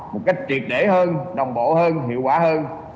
một cách triệt để hơn đồng bộ hơn hiệu quả hơn